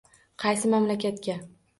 Qaysi mamlakatga?